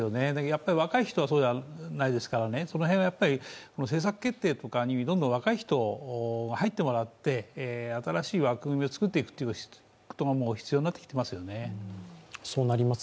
やっぱり若い人はそうじゃないですからその辺は政策決定とかにどんどん若い人に入ってもらって新しい枠組みを作っていくことが必要になってきてますよね。